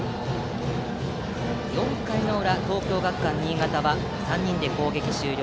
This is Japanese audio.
４回の裏、東京学館新潟は３人で攻撃終了。